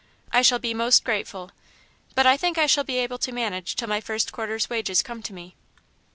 I shall be most grateful. But I think I shall be able to manage till my first quarter's wages come to me."